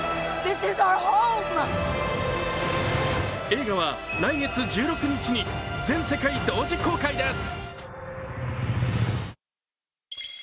映画は来月１６日に全世界同時公開です。